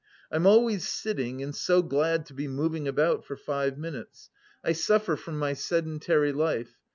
I'm always sitting and so glad to be moving about for five minutes... I suffer from my sedentary life...